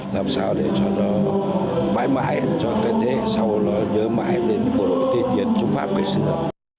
làm sao để cho nó mãi mãi cho cái thế hệ sau nó nhớ mãi đến bộ đội tây tiến chung pháp ngày xưa